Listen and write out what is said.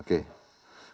pukul dua puluh wib